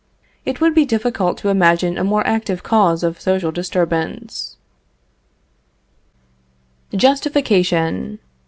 It would be difficult to imagine a more active cause of social disturbance. JUSTIFICATION.